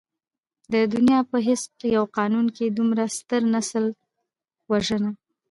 د دنيا په هېڅ يو قانون کې دومره ستر نسل وژنه.